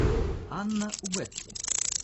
Анна у Бетси.